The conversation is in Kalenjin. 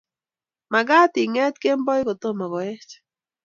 Magaat ingeet kemboi kotomo koech